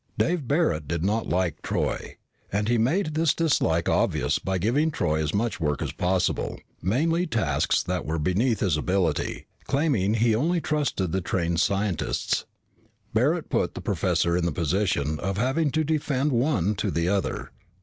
But Dave Barret did not like Troy, and he made this dislike obvious by giving Troy as much work as possible, mainly tasks that were beneath his ability, claiming he only trusted the trained scientists. Barret put the professor in the position of having to defend one to the other.